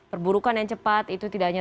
perburukan yang cepat itu tidak hanya